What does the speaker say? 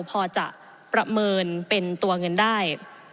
พอจะประเมินเป็นตัวเงินได้